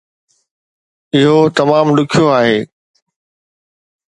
اهو تمام ڏکيو آهي